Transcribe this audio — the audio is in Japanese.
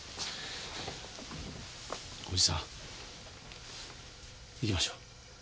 叔父さん行きましょう。